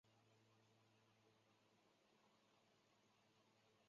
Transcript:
海军参谋本部遂下令海军部队返回北海。